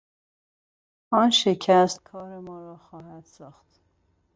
آن شکست کار ما را خواهد ساخت.